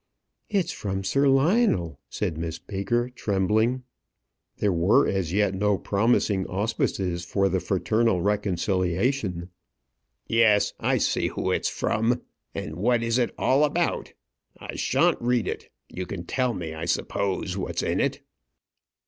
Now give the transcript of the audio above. "It's from Sir Lionel," said Miss Baker, trembling. There were as yet no promising auspices for the fraternal reconciliation. "Yes; I see who it's from and what is it all about? I shan't read it. You can tell me, I suppose, what's in it."